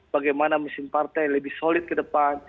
bagaimana mesin partai lebih solid ke depan